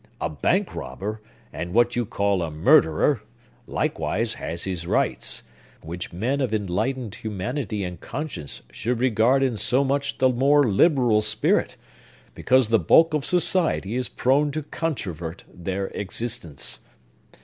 "A bank robber, and what you call a murderer, likewise, has his rights, which men of enlightened humanity and conscience should regard in so much the more liberal spirit, because the bulk of society is prone to controvert their existence.